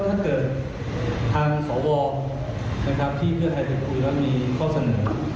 ถ้าเกิดทางสวที่เพื่อไทยไปคุยแล้วมีข้อเสนอ